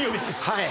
はい。